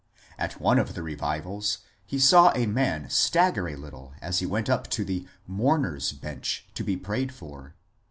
At one of the revivals he saw a man stagger a little as he went up to the ^' mourner's bench " to be prayed for.